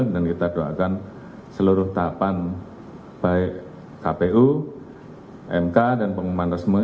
dan kita doakan seluruh tahapan baik kpu mk dan pengumuman resmi